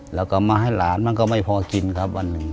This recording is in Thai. แล้วก็มาให้หลานมันก็ไม่พอกินครับวันหนึ่ง